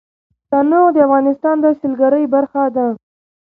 تنوع د افغانستان د سیلګرۍ برخه ده.